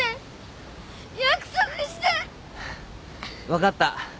分かった。